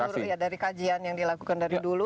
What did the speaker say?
jadi menurut ya dari kajian yang dilakukan dari dulu